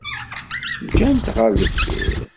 Ǧǧan-t ɣer deffir.